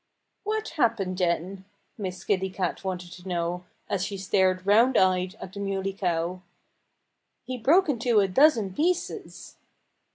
"What happened then?" Miss Kitty Cat wanted to know, as she stared round eyed at the Muley Cow. "He broke into a dozen pieces."